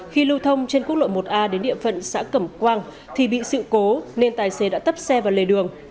khi lưu thông trên quốc lộ một a đến địa phận xã cẩm quang thì bị sự cố nên tài xế đã tấp xe vào lề đường